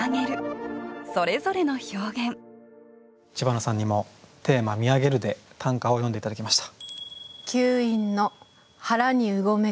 知花さんにもテーマ「見上げる」で短歌を詠んで頂きました。